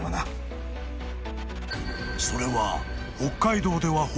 ［それは］